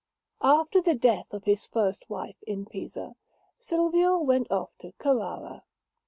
After the death of his first wife in Pisa, Silvio went off to Carrara.